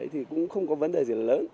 thì cũng không có vấn đề gì lớn